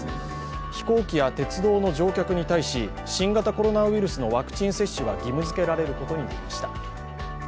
飛行機や鉄道の乗客に対し、新型コロナウイルスのワクチン接種が義務づけられることになりました。